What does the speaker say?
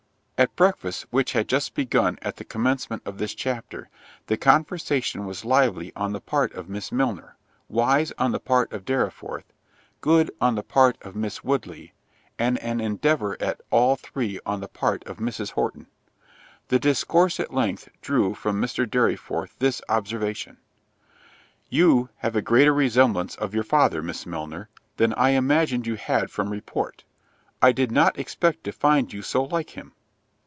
At breakfast, which had just begun at the commencement of this chapter, the conversation was lively on the part of Miss Milner, wise on the part of Dorriforth, good on the part of Miss Woodley, and an endeavour at all three on the part of Mrs. Horton. The discourse at length drew from Mr. Dorriforth this observation: "You have a greater resemblance of your father, Miss Milner, than I imagined you had from report: I did not expect to find you so like him."